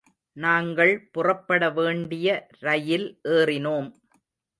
நாங்கள் புறப்பட வேண்டிய ரயில் ஏறினோம்.